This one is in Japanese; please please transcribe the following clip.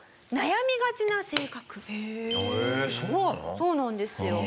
そうなんですよ。